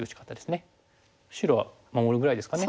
白は守るぐらいですかね。